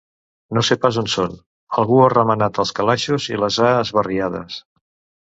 No sé pas on són: algú ha remenat els calaixos i les ha esbarriades.